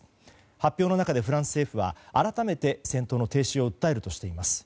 発表の中でフランス政府は改めて戦闘の停止を訴えるとしています。